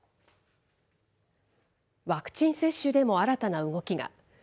ワクチン接種でも新たな動きが。